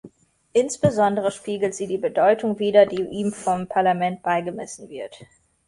Insbesondere spiegelt sie die Bedeutung wider, die ihm vom Parlament beigemessen wird.